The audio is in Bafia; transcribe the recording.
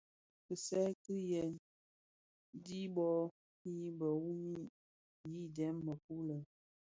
Kisai ki gen dhi bhoo yi biwumi yidèň mëkuu lè.